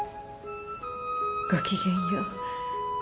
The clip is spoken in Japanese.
ごきげんよう。